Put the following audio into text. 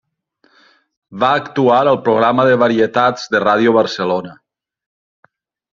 Va actuar al programa de varietats de Ràdio Barcelona.